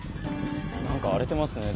何か荒れてますね。